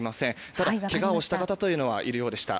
ただ、けがをした方はいるようでした。